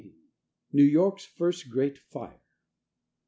] NEW YORK'S FIRST GREAT FIRE.